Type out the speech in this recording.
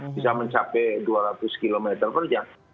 bisa mencapai dua ratus km per jam